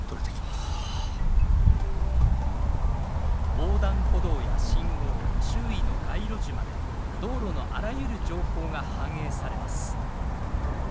横断歩道や信号周囲の街路樹まで道路のあらゆる情報が反映されます